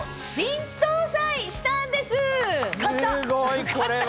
すごいこれは。